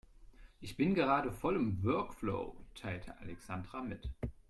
"Ich bin gerade voll im Workflow", teilte Alexandra mit.